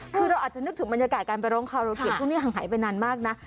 คือเราอาจจะนึกถึงบรรยากาศการไปร้องคาโรเกียจช่วงนี้ห่างหายไปนานมากนะ